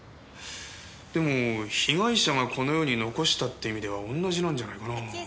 でも被害者がこの世に残したって意味では同じなんじゃないかな。